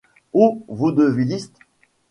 O vaudevillistes !